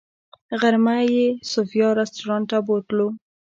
غرمه یې صوفیا رسټورانټ ته بوتلو.